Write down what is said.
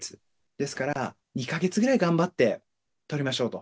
ですから、２か月くらい頑張って取りましょうと。